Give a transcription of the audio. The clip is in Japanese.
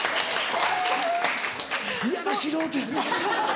嫌な素人やな。